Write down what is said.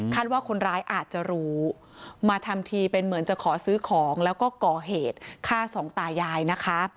ว่าคนร้ายอาจจะรู้มาทำทีเป็นเหมือนจะขอซื้อของแล้วก็ก่อเหตุฆ่าสองตายายนะคะ